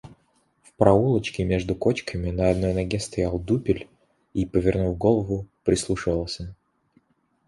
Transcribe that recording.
В проулочке между кочками на одной ноге стоял дупель и, повернув голову, прислушивался.